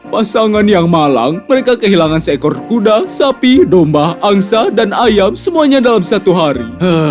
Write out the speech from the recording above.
pasangan yang malang mereka kehilangan seekor kuda sapi domba angsa dan ayam semuanya dalam satu hari